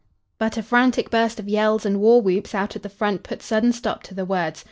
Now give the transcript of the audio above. "] But a frantic burst of yells and war whoops out at the front put sudden stop to the words.